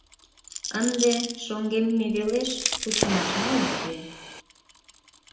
Ынде шоҥгемме велеш кучымашна уке.